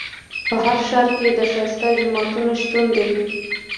په هر ښار کې د ښایسته جوماتونو شتون دی.